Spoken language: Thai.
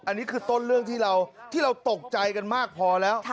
อันนี้คือต้นเรื่องที่เราตกใจกันมากพอแล้ว